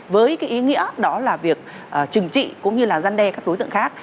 với cái ý nghĩa đó là việc trừng trị cũng như là giăn đe các đối tượng khác